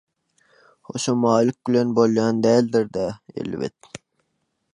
Hoşamaýlyk bilen bolýan däldir -dä, elbet.